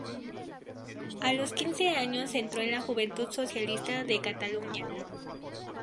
A los quince años entró en la Juventud Socialista de Cataluña.